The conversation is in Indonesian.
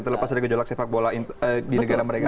terlepas dari gejolak sepak bola di negara mereka